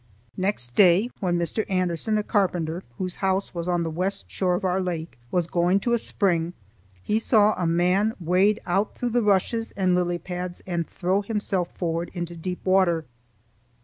Next day, when Mr. Anderson, a carpenter whose house was on the west shore of our lake, was going to a spring he saw a man wade out through the rushes and lily pads and throw himself forward into deep water.